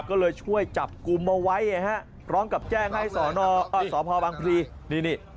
ก็เลยช่วยจับกลุ่มมาไว้ฮะร้องกับแจ้งให้สพบังพยายนนี่นี่